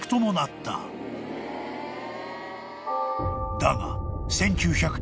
［だが］